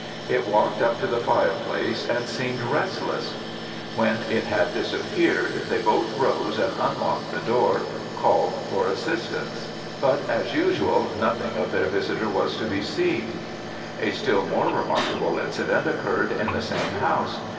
It walked up to the fireplace and seemed restless. When it had disappeared, they both rose and unlocked the door, called for assistance, but, as usual, nothing of their visitor was to be seen. A still more remarkable incident occurred in the same house.